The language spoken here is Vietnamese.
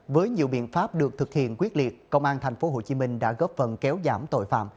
với nhiều biện pháp được thực hiện quyết liệt công an tp hcm đã góp phần kéo giảm tội phạm